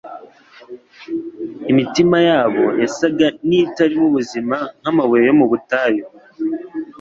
Imitima yabo yasaga n'itarimo ubuzima nk'amabuye yo mu butayu